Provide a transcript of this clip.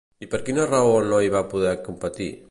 I per quina raó no hi va poder competir?